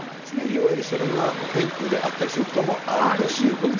いわゆるそれがフェイクであったりすることもあるということですね。